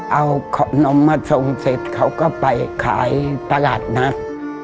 เอาขนมมาส่งเสร็จเขาก็ไปขายตลาดนัด